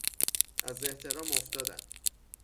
از احترام افتادن